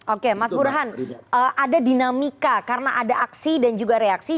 oke mas burhan ada dinamika karena ada aksi dan juga reaksi